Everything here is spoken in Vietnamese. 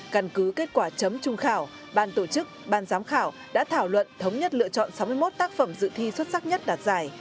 căn cứ kết quả chấm trung khảo ban tổ chức ban giám khảo đã thảo luận thống nhất lựa chọn sáu mươi một tác phẩm dự thi xuất sắc nhất đạt giải